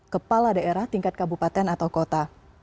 kepala daerah tingkat kabupaten atau kota